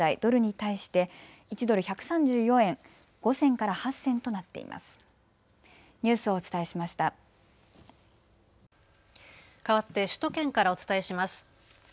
かわって首都圏からお伝えします。